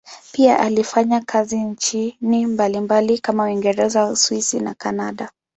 Pia alifanya kazi nchini mbalimbali kama Uingereza, Uswisi na Kanada.